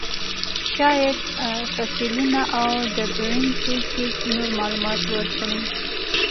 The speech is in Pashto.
شاید فسیلونه او ډبرین توکي نور معلومات ورکړي.